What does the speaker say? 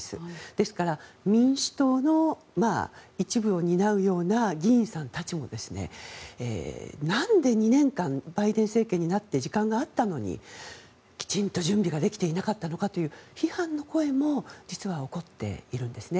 ですから、民主党の一部を担うような議員さんたちも何で２年間バイデン政権になって時間があったのにきちんと準備ができていなかったのかという批判の声も実は起こっているんですね。